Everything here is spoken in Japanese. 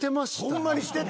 ホンマにしてたやん。